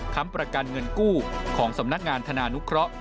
ค้ำประกันเงินกู้ของสำนักงานธนานุเคราะห์